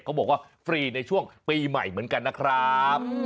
ฟรีในช่วงปีใหม่เหมือนกันนะครับ